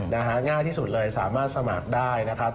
ง่ายที่สุดเลยสามารถสมัครได้นะครับ